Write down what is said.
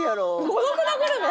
「『孤独のグルメ』！